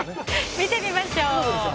見てみましょう。